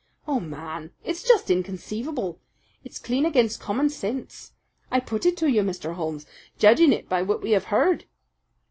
Oh, man, it's just inconceivable! It's clean against common sense! I put it to you, Mr. Holmes, judging it by what we have heard."